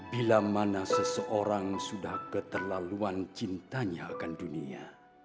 bila mana seseorang sudah keterlaluan cintanya akan dunia